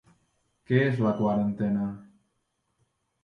Què és la quarantena?